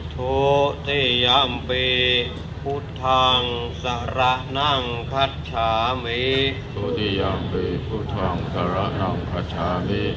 ถุติยัมปีพุทธภังสาระนังขัชชามีถุติยัมปีธรรมังสาระนังขัชชามี